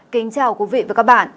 kính chào quý vị và các bạn